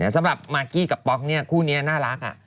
สำหรับมากกี้กับป๊อกคู่นี้น่ารัก